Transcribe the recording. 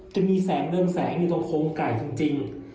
จะมีแสงเรืองแสงในตรงโครงไก่จริง